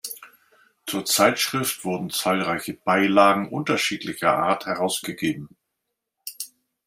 Zur Zeitschrift wurden zahlreiche Beilagen unterschiedlicher Art herausgegeben.